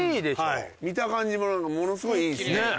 はい見た感じもものすごいいいですね。